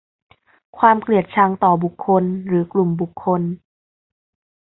ความเกลียดชังต่อบุคคลหรือกลุ่มบุคคล